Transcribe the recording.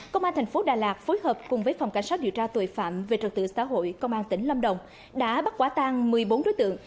công an thành phố đà lạt phối hợp cùng với phòng cảnh sát điều tra tội phạm về trật tự xã hội công an tỉnh lâm đồng đã bắt quả tang một mươi bốn đối tượng